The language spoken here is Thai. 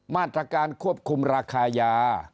มาตรการควบคุมราคายา